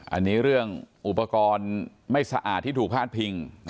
อันนี้เรื่องอุปกรณ์ไม่สะอาดที่ถูกพาดพิง